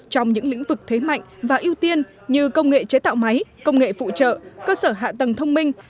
trong những lĩnh vực thế mạnh và ưu tiên như công nghệ chế tạo máy công nghệ phụ trợ cơ sở hạ tầng thông minh